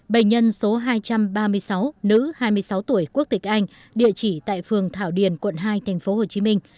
bệnh nhân số hai trăm ba mươi sáu nữ hai mươi sáu tuổi quốc tịch anh địa chỉ tại phường thảo điền quận hai thành phố hồ chí minh